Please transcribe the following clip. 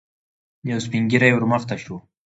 يو سپين ږيری ور مخته شو.